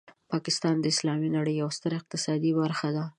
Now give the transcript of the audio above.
پاکستان د اسلامي نړۍ یوه ستره اقتصادي برخه ده.